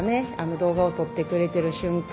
動画を撮ってくれてる瞬間